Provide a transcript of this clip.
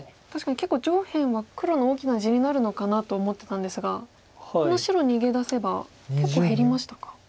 確かに結構上辺は黒の大きな地になるのかなと思ってたんですがこの白逃げ出せば結構減りましたか。